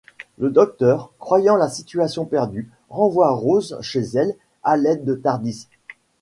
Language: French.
Le Docteur, croyant la situation perdue, renvoie Rose chez elle à l'aide du Tardis.